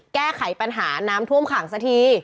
การแก้ปัญหาน้ำท่วมขังซะที